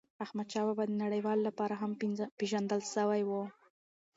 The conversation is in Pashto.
احمدشاه بابا د نړیوالو لپاره هم پېژندل سوی و.